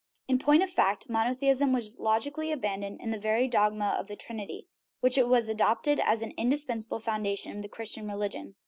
In point of fact, monotheism was logically abandoned in the very dogma of the Trinity, which was adopted as an indispensable foundation of the Christian religion.